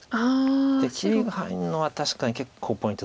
切りが入るのは確かに結構ポイント高いです。